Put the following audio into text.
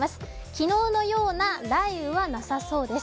昨日のような雷雨はなさそうです。